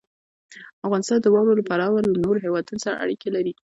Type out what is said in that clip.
افغانستان د واوره له پلوه له نورو هېوادونو سره اړیکې لري.